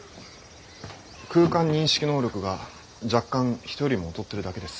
空間認識能力が若干人よりも劣ってるだけです。